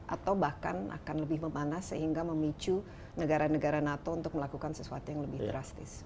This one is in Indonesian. atau bahkan akan lebih memanas sehingga memicu negara negara nato untuk melakukan sesuatu yang lebih drastis